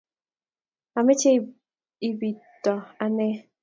ameche ibidto ane